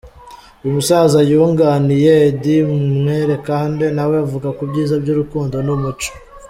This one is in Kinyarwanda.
Uyu musaza yunganiye Eddy Mwerekande nawe avuga kubyiza by'urukundo n'umuco.